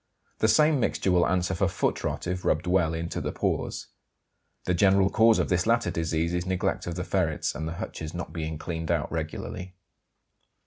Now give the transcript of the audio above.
The same mixture will answer for "foot rot" if rubbed well into the paws. The general cause of this latter disease is neglect of the ferrets and the hutches not being cleaned out regularly.